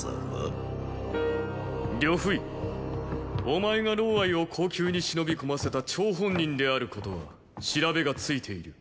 お前がを後宮に忍び込ませた張本人であ調べがついている。